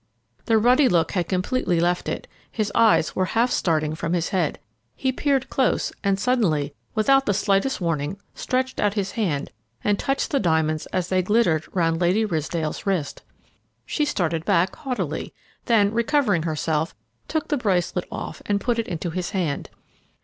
The ruddy look had completely left it, his eyes were half starting from his head. He peered close, and suddenly, without the slightest warning, stretched out his hand, and touched the diamonds as they glittered round Lady Ridsdale's wrist. She started back haughtily, then, recovering herself, took the bracelet off and put it into his hand.